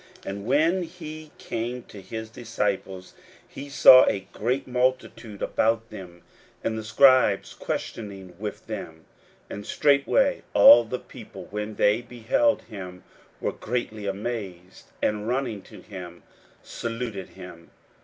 41:009:014 And when he came to his disciples, he saw a great multitude about them, and the scribes questioning with them. 41:009:015 And straightway all the people, when they beheld him, were greatly amazed, and running to him saluted him.